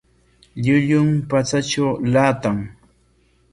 Llullum patsatraw llaatan.